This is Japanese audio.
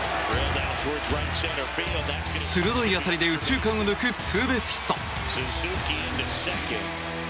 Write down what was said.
鋭い当たりで右中間を抜くツーベースヒット！